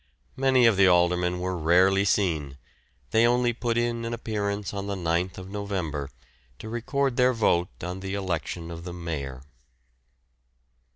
Many of the aldermen were rarely seen; they only put in an appearance on the 9th November to record their vote on the election of the Mayor.